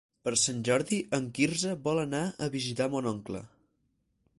Per Sant Jordi en Quirze vol anar a visitar mon oncle.